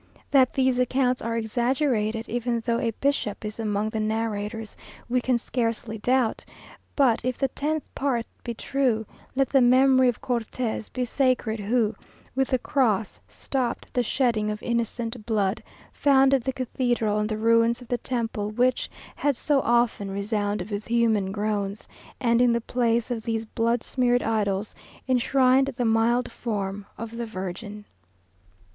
That these accounts are exaggerated, even though a bishop is among the narrators, we can scarcely doubt; but if the tenth part be truth, let the memory of Cortes be sacred, who, with the cross, stopped the shedding of innocent blood, founded the cathedral on the ruins of the temple which had so often resounded with human groans, and in the place of these blood smeared idols enshrined the mild form of the Virgin.